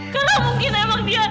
kalau mungkin emang dia